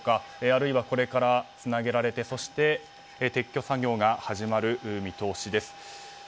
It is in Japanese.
あるいは、これからつなげられて撤去作業が始まる見通しです。